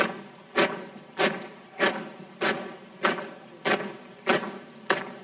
kembali ke tempat